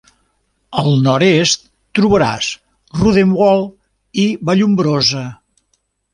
Al nord-est trobaràs Roodewal i Vallombrosa.